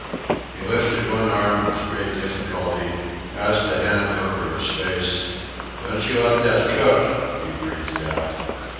He lifted one arm with great difficulty, passed the hand over his face; "Don't you let that cook..." he breathed out.